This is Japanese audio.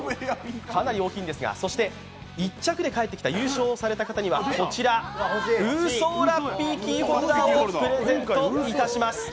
そして１着で帰ってきた優勝された方には、こちらウーソーラッピーキーホルダーをプレゼントいたします。